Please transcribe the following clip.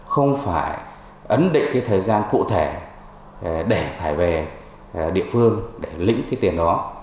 không phải ấn định thời gian cụ thể để phải về địa phương để lĩnh tiền đó